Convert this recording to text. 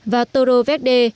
và toro vecde